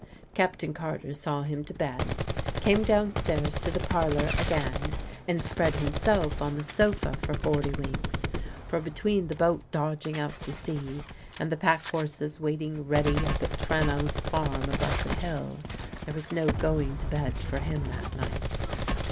Captain Carter saw him to bed, came downstairs to the parlour again, and spread himself on the sofa for forty winks; for between the boat dodging out to sea and the pack horses waiting ready up at Trenowl's farm above the hill, there was no going to bed for him that night.